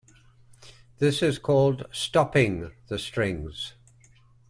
This is called "stopping" the strings.